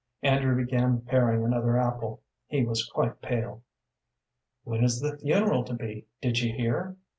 Andrew began paring another apple. He was quite pale. "When is the funeral to be, did you hear?"